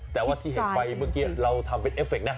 แต่ว่าที่เห็นไปเมื่อกี้เราทำเป็นเอฟเฟคนะ